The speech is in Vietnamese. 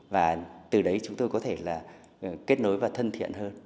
và từ đấy chúng tôi có thể là kết nối và thân thiện hơn